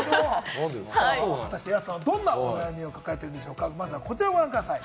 果たして安さんはどんなお悩みを抱えているのか、まずはこちらをご覧ください。